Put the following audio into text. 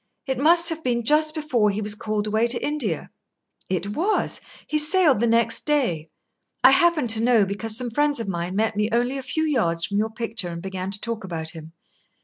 "It must have been just before he was called away to India." "It was. He sailed the next day. I happen to know, because some friends of mine met me only a few yards from your picture and began to talk about him.